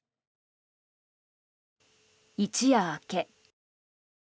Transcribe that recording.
一夜明け。